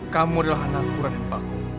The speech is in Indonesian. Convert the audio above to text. kamu adalah anakku dan empakku